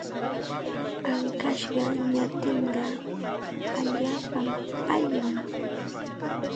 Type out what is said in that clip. Ankashqa ñatinqa allaapa allim.